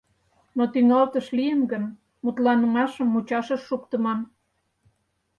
Но тӱҥалтыш лийын гын, мутланымашым мучашыш шуктыман.